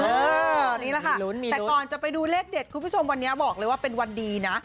นี่แหละค่ะแต่ก่อนจะไปดูเลขเด็ดคุณผู้ชมวันนี้บอกเลยว่าเป็นวันดีนะ